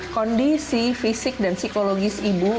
kondisi fisik dan psikologi si ibu